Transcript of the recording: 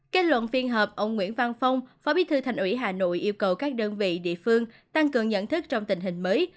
kết luận phiên họp ông nguyễn văn phong phó bí thư thành ủy hà nội yêu cầu các đơn vị địa phương tăng cường nhận thức trong tình hình mới